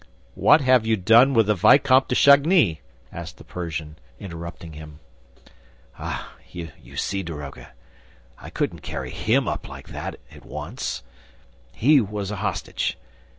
"What have you done with the Vicomte de Chagny?" asked the Persian, interrupting him. "Ah, you see, daroga, I couldn't carry HIM up like that, at once. ... He was a hostage